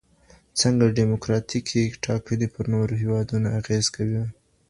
څنګه ډیموکراتیکي ټاکني پر نورو هیوادونو اغیز کوي؟